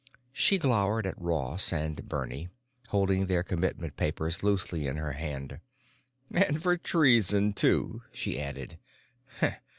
She glowered at Ross and Bernie, holding their commitment papers loosely in her hand. "And for treason, too!" she added.